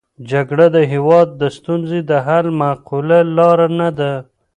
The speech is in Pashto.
جګړه د هېواد د ستونزو د حل معقوله لاره نه ده.